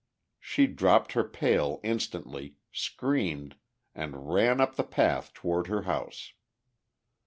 She dropped her pail instantly, screamed, and ran up the path toward her house.